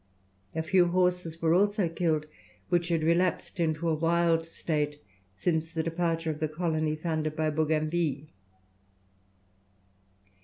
A few horses were also killed which had relapsed into a wild state since the departure of the colony founded by Bougainville.